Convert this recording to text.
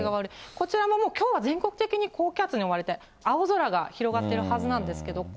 こちらももうきょうは全国的に高気圧に覆われて、青空が広がってるはずなんですけれども。